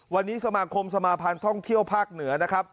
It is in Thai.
วันนี้สมาคมสมาพันธ์ท่องเที่ยวภาคเหนือนะครับ